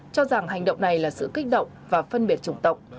cho rằng hành động này là sự kích động và phân biệt chủng tộc